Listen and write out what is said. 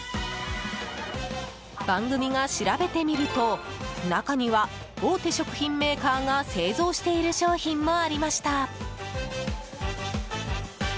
番組が調べてみると中には、大手食品メーカーが製造している商品もありました。